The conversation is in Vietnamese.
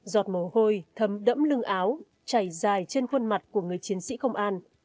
giọt mồ hôi thấm đẫm lưng áo chảy dài trên khuôn mặt của người chiến sĩ công an